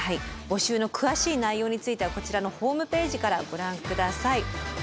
募集の詳しい内容についてはこちらのホームページからご覧下さい。